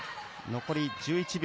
残り１１秒。